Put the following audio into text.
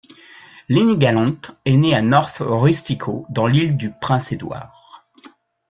Lennie Gallant est né à North Rustico, dans l'Île-du-Prince-Édouard.